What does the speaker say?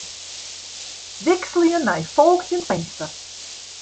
Wikselje nei folgjend finster.